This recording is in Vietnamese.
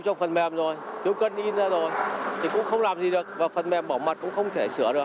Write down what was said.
trong phần mềm rồi thiếu cân in ra rồi thì cũng không làm gì được và phần mềm bảo mật cũng không thể sửa được